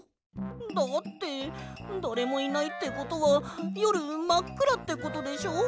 だってだれもいないってことはよるまっくらってことでしょ？